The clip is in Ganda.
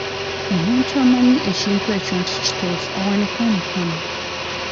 Omuntu amanyi ekintu ekyo nti kituufu awanike omukono.